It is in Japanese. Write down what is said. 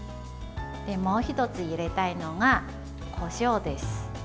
もう１つ、入れたいのがこしょうです。